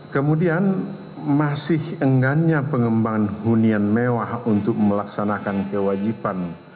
kemudian masih enggannya pengembangan hunian mewah untuk melaksanakan kewajiban